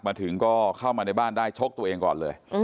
มาถึงก็เข้ามาในบ้านได้ชกตัวเองก่อนเลย